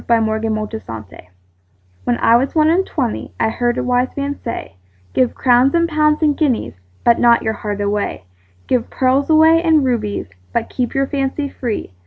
When I was one and twenty WHEN I was one and twentyI heard a wise man say,'Give crowns and pounds and guineasBut not your heart away; Give pearls away and rubiesBut keep your fancy free.